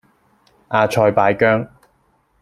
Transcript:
阿塞拜疆